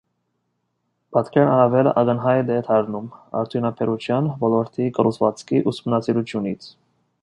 Պատկերն առավել ակնհայտ է դառնում արդյունաբերության ոլորտի կառուցվածքի ուսումնասիրությունից։